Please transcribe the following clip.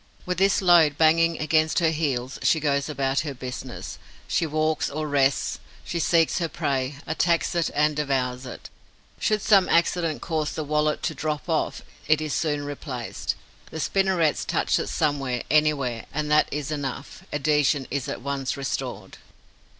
With this load banging against her heels, she goes about her business; she walks or rests, she seeks her prey, attacks it and devours it. Should some accident cause the wallet to drop off, it is soon replaced. The spinnerets touch it somewhere, anywhere, and that is enough: adhesion is at once restored.